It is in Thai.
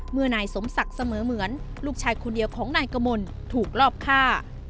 เมื่อนายสมศักดิ์เสมอเหมือนลูกชายคนเดียวของนายกมลถูกรอบฆ่า